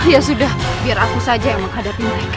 ya sudah biar aku saja yang menghadapi mereka